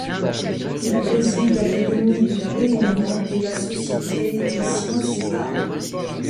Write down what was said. Il préside l'Académie de La Réunion et la Société des Sciences et Arts.